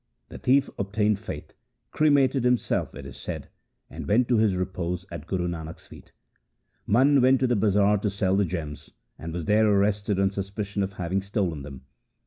The thief obtained faith, cre mated himself, it is said, and went to his repose at Guru Nanak's feet. Mana went to the bazar to sell the gems, and was there arrested on suspicion of having stolen them.